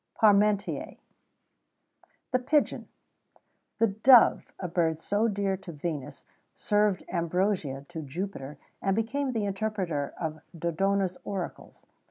PARMENTIER. THE PIGEON. The dove, a bird so dear to Venus,[XVII 81] served ambrosia to Jupiter,[XVII 82] and became the interpreter of Dodona's oracles.